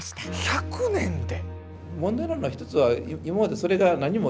１００年で！？